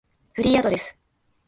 フリーアドレス